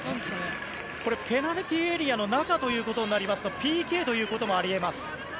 これ、ペナルティーエリアの中ということになりますとＰＫということもあり得ます。